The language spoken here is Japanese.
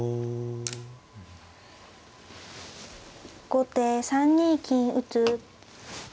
後手３二金打。